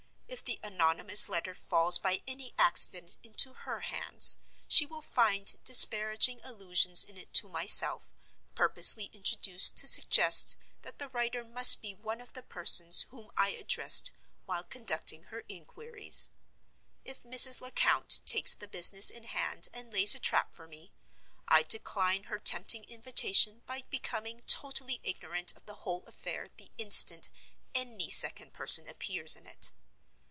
If the anonymous letter falls by any accident into her hands, she will find disparaging allusions in it to myself, purposely introduced to suggest that the writer must be one of the persons whom I addressed while conducting her inquiries. If Mrs. Lecount takes the business in hand and lays a trap for me—I decline her tempting invitation by becoming totally ignorant of the whole affair the instant any second person appears in it.